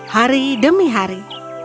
hari demi hari